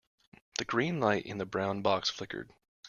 The green light in the brown box flickered.